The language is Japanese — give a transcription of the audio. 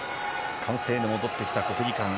歓声が戻ってきた国技館。